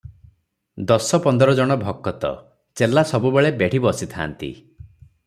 ଦଶ ପନ୍ଦର ଜଣ ଭକତ - ଚେଲା ସବୁବେଳେ ବେଢ଼ି ବସିଥାନ୍ତି ।